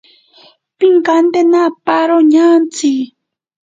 Pinkantena aparo ñantsi.